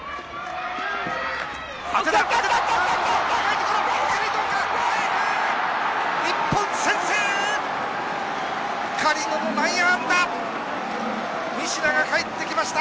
当てた！